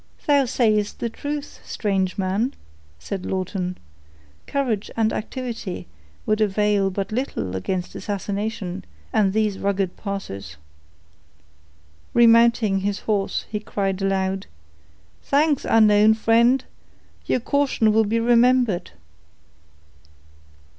_" "Thou sayest the truth, strange man," said Lawton. "Courage and activity would avail but little against assassination and these rugged passes." Remounting his horse, he cried aloud, "Thanks, unknown friend; your caution will be remembered."